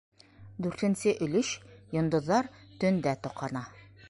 Дүртенсе өлөш ЙОНДОҘҘАР ТӨНДӘ ТОҠАНА